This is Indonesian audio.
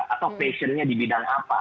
atau passionnya di bidang apa